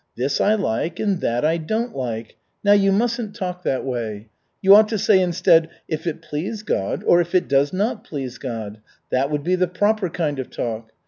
'This I like, and that I don't like.' Now, you mustn't talk that way! You ought to say instead, 'If it please God, or 'if it does not please God'. That would be the proper kind of talk.